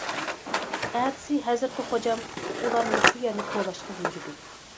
ئەتىسى ھەزرىتى خوجام ئۇلارنى شۇ يەرنى كولاشقا بۇيرۇدى.